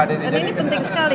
ini penting sekali